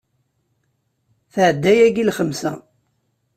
Tɛedda yagi i lxemsa.